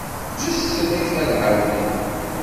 Ǧǧet-ten aken-ɛawnen.